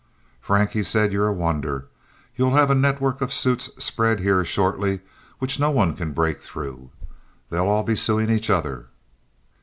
"Frank," he said, "you're a wonder. You'll have a network of suits spread here shortly, which no one can break through. They'll all be suing each other."